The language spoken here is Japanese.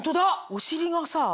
お尻がさ